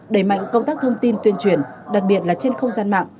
đẩy mạnh công tác thông tin tuyên truyền đặc biệt là trên không gian mạng